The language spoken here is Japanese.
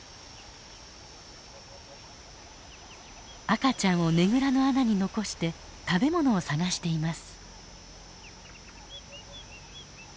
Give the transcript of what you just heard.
赤ちゃんをねぐらの穴に残して食べ物を探しています。